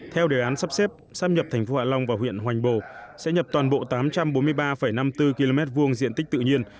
theo đề án sắp xếp sắp nhập thành phố hạ long và huyện hoành bồ sẽ nhập toàn bộ tám trăm bốn mươi ba năm mươi bốn km hai diện tích tự nhiên